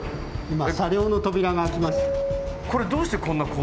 今車両の扉が開きました。